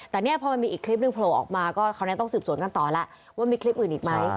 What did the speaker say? แต่เนี่ยพอมันมีอีกคลิปหนึ่งโผล่ออกมาก็คราวนี้ต้องสืบสวนกันต่อแล้วว่ามีคลิปอื่นอีกไหม